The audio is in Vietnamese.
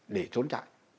để trốn chạy